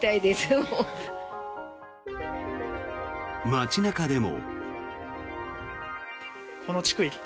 街中でも。